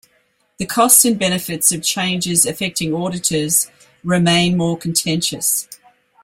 The costs and benefits of changes affecting auditors remain more contentious.